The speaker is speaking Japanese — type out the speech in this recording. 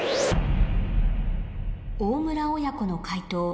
大村親子の解答